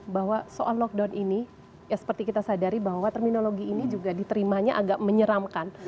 bahwa soal lockdown ini ya seperti kita sadari bahwa terminologi ini juga diterimanya agak menyeramkan